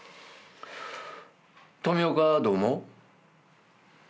富岡はどう思う？